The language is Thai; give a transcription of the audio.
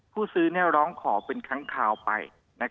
ผู้ซื้อร้องขอเป็นครั้งคราวไป